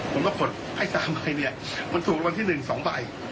ผมก็คดให้๓ใบถูกวันที่๑๒ใบ